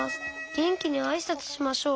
げんきにあいさつしましょう。